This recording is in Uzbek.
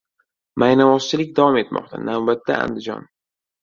Maynavozchilik davom etmoqda: navbatda Andijon!